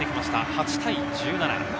８対１７。